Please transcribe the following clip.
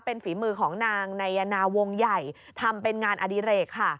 เป็นฝีมือของนางนายนาวงใหญ่ทำเป็นงานอดิเรกค่ะ